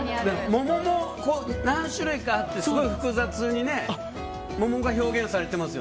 桃も何種類かあってすごい複雑に桃が表現されてます。